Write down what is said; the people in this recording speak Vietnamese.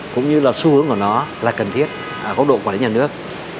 cũng như là xu hướng của nó là cần thiết ở góc độ quản lý nhà nước